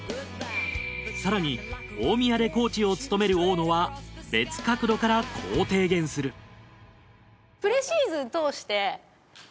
更に大宮でコーチを務める大野は別角度からこう提言するなるほど。